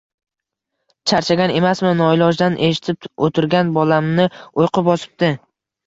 Charchagan emasmi, noilojdan eshitib oʼtirgan bolamni uyqu bosibdi.